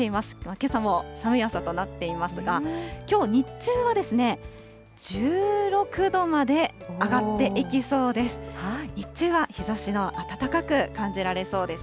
けさも寒い朝となっていますが、きょう日中はですね、１６度まで上がっていきそうです。